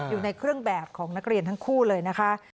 อยู่ในเครื่องแบบของนักเรียนทั้งคู่เลยนะคะ